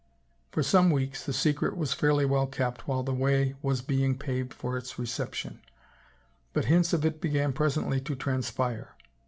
For some weeks the secret was fairly well kept while the way was being paved for its reception, but hints of it began presently to transpire.